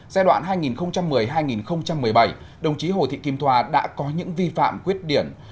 giai đoạn hai nghìn một mươi hai nghìn một mươi bảy đồng chí hồ thị kim thoa đã có những vi phạm khuyết điểm